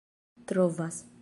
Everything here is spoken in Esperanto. trovas